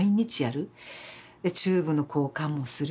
チューブの交換もする。